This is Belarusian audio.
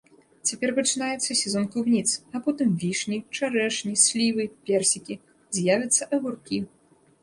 Цяпер пачынаецца сезон клубніц, а потым вішні, чарэшні, слівы, персікі, з'явяцца агуркі.